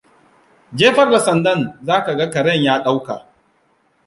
Jefar da sandan za ka ga karen ya dauka.